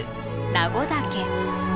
名護岳。